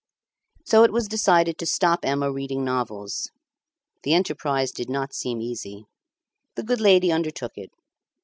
So it was decided to stop Emma reading novels. The enterprise did not seem easy. The good lady undertook it.